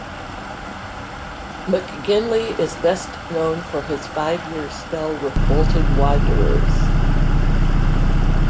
McGinlay is best known for his five-year spell with Bolton Wanderers.